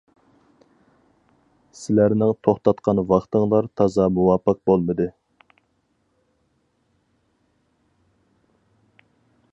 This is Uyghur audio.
سىلەرنىڭ توختاتقان ۋاقتىڭلار تازا مۇۋاپىق بولمىدى.